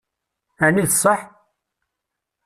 Ɛni d ṣṣeḥ?